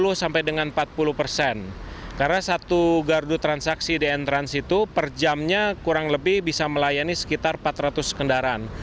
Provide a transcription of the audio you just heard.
karena satu gardu transaksi entrance itu per jamnya kurang lebih bisa melayani sekitar empat ratus kendaraan